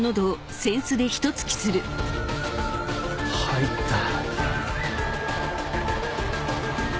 入った。